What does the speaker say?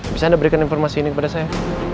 bisa anda berikan informasi ini kepada saya